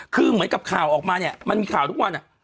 คือเหมือนกับข่าวออกมาเนี่ยมันมีข่าวทุกวัน